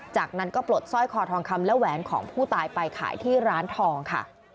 จากนั้นก็ปลดสร้อยคอทองคำและแหวนของผู้ตายไปขายที่ร้านทองค่ะ